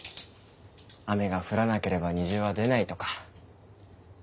「雨が降らなければ虹は出ない」とか。